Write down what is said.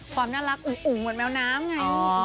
ความน่ารักอุ๋งเหมือนแมวน้ำไง